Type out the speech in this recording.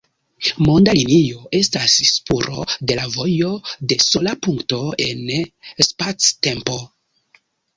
Monda linio estas spuro de la vojo de sola punkto en spactempo.